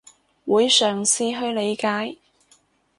會嘗試去理解